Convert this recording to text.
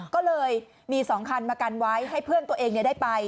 ก็เลยมี๒คันมากันไว้ให้เพื่อนตัวเองได้ไป